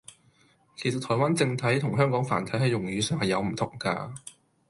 其實「台灣正體」同「香港繁體」係用語上係有唔同架